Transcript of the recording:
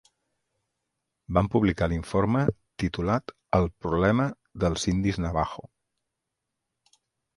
Van publicar l'informe, titulat "El problema dels indis navajo".